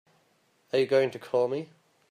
Are you going to call me?